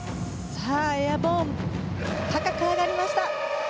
エアボーン高く上がりました！